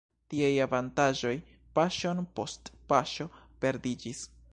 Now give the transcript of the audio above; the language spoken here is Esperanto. Tiaj avantaĝoj paŝon post paŝo perdiĝis.